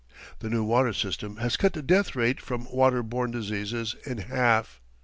The new water system has cut the death rate from water borne diseases in half.